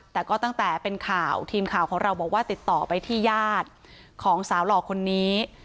แต่ก็ตั้งแต่เป็นข่าวทีมข่าวของเราบอกว่าติดต่อไปที่ญาติของสาวหล่อคนนี้